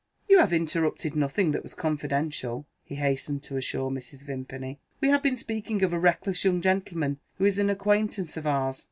"You have interrupted nothing that was confidential," he hastened to assure Mrs. Vimpany. "We have been speaking of a reckless young gentleman, who is an acquaintance of ours.